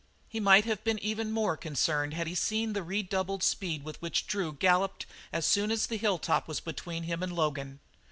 He might have been even more concerned had he seen the redoubled speed with which Drew galloped as soon as the hilltop was between him and Logan.